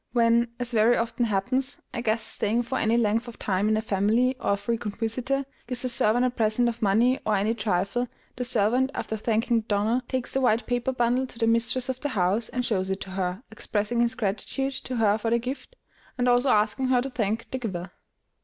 When, as very often happens, a guest staying for any length of time in a family, or a frequent visitor, gives a servant a present of money or any trifle, the servant, after thanking the donor, takes the white paper bundle to the mistress of the house, and shows it to her, expressing his gratitude to her for the gift, and also asking her to thank the giver.